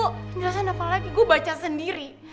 penjelasan apa lagi gue baca sendiri